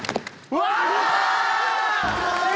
うわ！